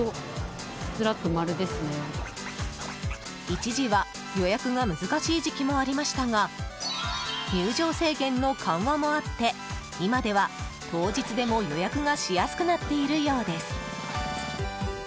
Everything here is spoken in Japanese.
一時は予約が難しい時期もありましたが入場制限の緩和もあって今では当日でも予約がしやすくなっているようです。